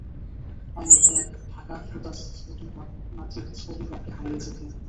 Final খেলায় Dhaka Frutas Sporting Club Madrid Sporting ক্লাবকে হারিয়ে চ্যাম্পিয়ন হয়।